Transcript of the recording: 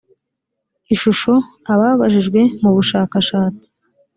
ishusho ababajijwe mu bushakashatsi